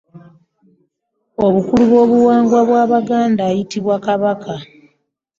Omukulu w'obuwangwa bwa Baganda ayitiibwa "kabaka".